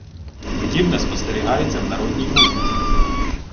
Подібне спостерігається в народній музиці.